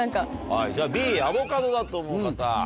はいじゃあＢアボカドだと思う方。